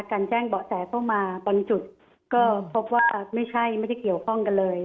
แจ้งเบาะแสเข้ามาบางจุดก็พบว่าไม่ใช่ไม่ได้เกี่ยวข้องกันเลย